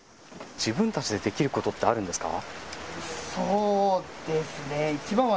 自分たちでできることってあるんですか。